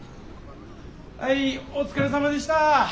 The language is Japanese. はいお疲れさまでした。